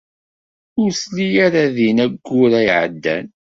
Ur telli ara din ayyur-a iɛeddan.